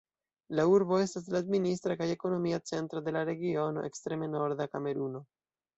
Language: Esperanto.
La urbo estas la administra kaj ekonomia centro de la regiono Ekstreme norda Kameruno.